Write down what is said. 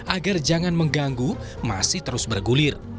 agar jangan mengganggu masih terus bergulir